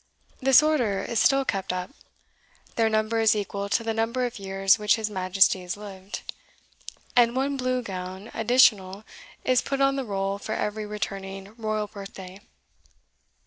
This order is still kept up. Their number is equal to the number of years which his Majesty has lived; and one Blue Gown additional is put on the roll for every returning royal birth day.